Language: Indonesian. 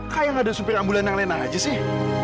kayak nggak ada supir ambulan yang lain aja sih